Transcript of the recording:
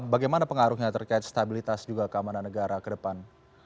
bagaimana pengaruhnya terkait stabilitas juga keamanan negara ke depan